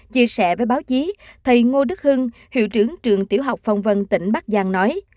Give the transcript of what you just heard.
chia sẻ với báo chí thầy ngô đức hưng hiệu trưởng trường tiểu học phong vân tỉnh bắc giang nói